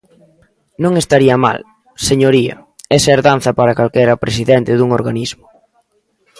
Non estaría mal, señoría, esa herdanza para calquera presidente dun organismo.